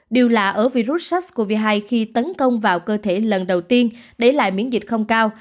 đều là ở virus sars cov hai khi tấn công vào cơ thể lần đầu tiên để lại miễn dịch không cao